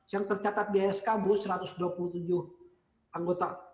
yang tercatat di ask baru satu ratus dua puluh tujuh anggota